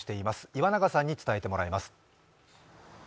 岩永さんに伝えてもらいます。